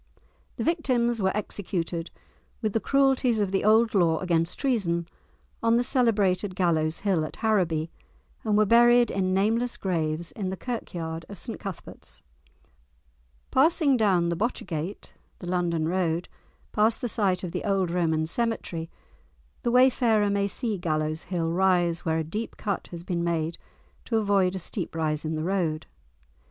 The victims were executed, with the cruelties of the old law against treason, on the celebrated Gallows Hill, at Harraby, and were buried in nameless graves in the Kirkyard of St Cuthbert's. Passing down the Botchergate (the London Road), past the site of the old Roman cemetery, the wayfarer may see Gallows Hill rise where a deep cut has been made to avoid a steep rise in the road.